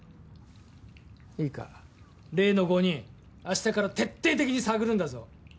いいか、例の５人明日から徹底的に探るんだぞ。